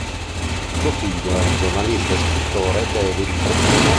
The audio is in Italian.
Suo figlio è il giornalista e scrittore, David Profumo.